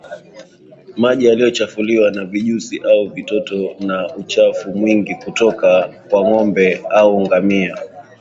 maji yaliyochafuliwa na vijusi au vitoto na uchafu mwingine kutoka kwa ng'ombe au ngamia